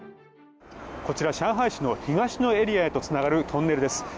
こちら上海市の東のエリアにつながるトンネルです。